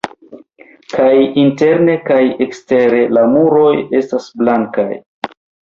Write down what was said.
Kaj interne kaj ekstere la muroj estas blankaj.